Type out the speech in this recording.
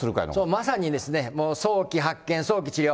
まさに早期発見、早期治療。